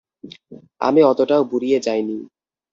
আমি অতটাও বুড়িয়ে যাইনি।